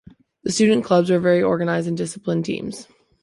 The student clubs are very organized and disciplined teams.